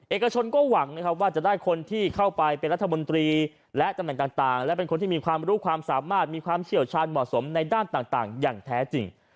เอกชนก็หวังนะครับว่าจะได้คนที่เข้าไปเป็นรัฐมนตรีและตำแหน่งต่างและเป็นคนที่มีความรู้ความสามารถมีความเชี่ยวชาญเหมาะสมในด้านต่างอย่างแท้จริง